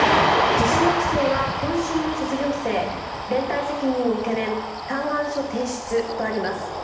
自首学生は今春の卒業生連帯責任を懸念嘆願書提出とあります。